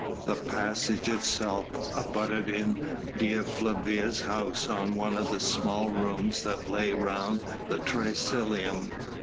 The passage itself abutted in Dea Flavia's house on one of the small rooms that lay round the triclinium.